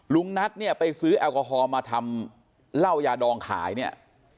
ลุงนัทเนี่ยไปซื้อแอลกอฮอล์มาทำเหล้ายาดองขายเนี่ย